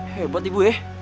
hebat ibu ya